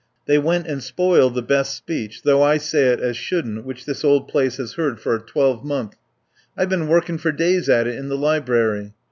"They went and spoiled the best speech, though I say it as shouldn't, which this old place has heard for a twelvemonth. I've been workin' for days at it in the Library.